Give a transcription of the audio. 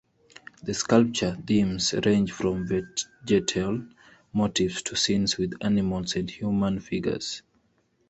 The sculpture themes range from vegetal motifs to scenes with animals and human figures.